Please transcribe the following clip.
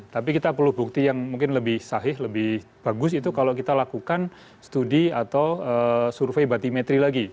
tapi kita perlu bukti yang mungkin lebih sahih lebih bagus itu kalau kita lakukan studi atau survei batimetri lagi